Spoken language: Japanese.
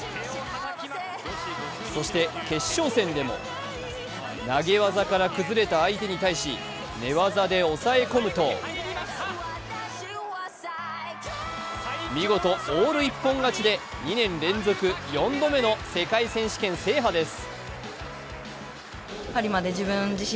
そして決勝戦でも投げ技から崩れた相手に対し寝技で抑え込むと見事、オール一本勝ちで２年連続４度目の世界選手権制覇です。